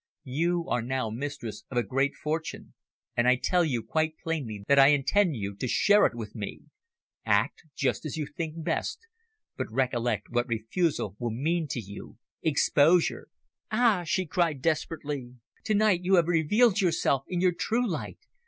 You are now mistress of a great fortune, and I tell you quite plainly that I intend you to share it with me. Act just as you think best, but recollect what refusal will mean to you exposure!" "Ah!" she cried desperately, "to night you have revealed yourself in your true light!